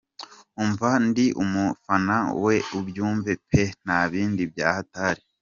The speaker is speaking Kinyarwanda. Umva ndi umufana we ubyumve peee nta bindi bya hatari.